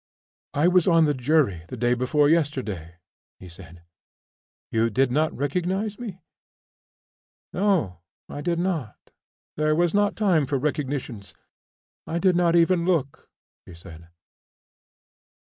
"I was on the jury the day before yesterday," he said. "You did not recognise me?" "No, I did not; there was not time for recognitions. I did not even look," she said.